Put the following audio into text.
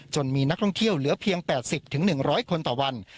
มีนักท่องเที่ยวเหลือเพียง๘๐๑๐๐คนต่อวัน